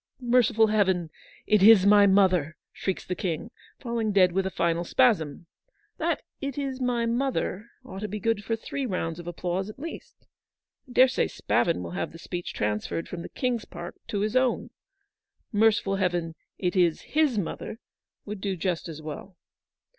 —' Merciful Heaven, it is my mother !' shrieks the King, falling dead with a final spasm. That ' it is mv mother !' ought to be 124 Eleanor's victory. good for three rounds of applause, at least. I dare say Spavin will have the speech transferred from the King's part to his own. 'Merciful Heaven, it is his mother !' would do just as well."